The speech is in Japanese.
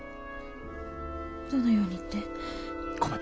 どのようにって？